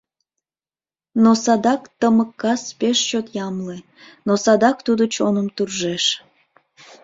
Но садак тымык кас пеш чот ямле, Но садак тудо чоным туржеш.